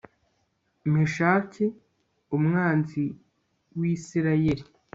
meshaki mwanzi w'isirayeli